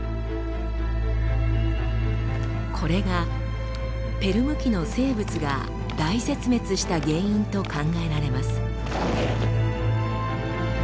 これがペルム紀の生物が大絶滅した原因と考えられます。